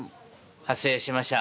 発声してました。